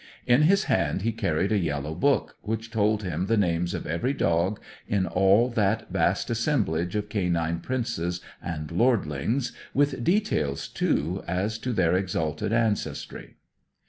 In his hand he carried a yellow book which told him the names of every dog in all that vast assemblage of canine princes and lordlings, with details, too, as to their exalted ancestry.